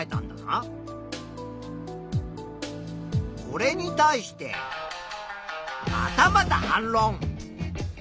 これに対してまたまた反ろん。